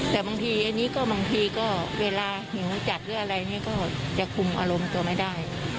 แต่บางทีอันนี้ก็บางทีก็เวลาหิวจัดหรืออะไรนี่ก็จะคุมอารมณ์ตัวไม่ได้